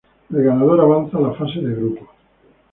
El ganador avanza a la fase de grupos.